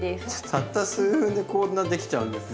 たった数分でこんなできちゃうんですね。